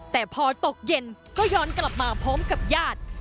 แต่พอตกเย็นก็ย้อนกลับมาพร้อมกับญาติ